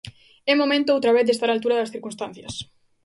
É momento outra vez de estar á altura das circunstancias.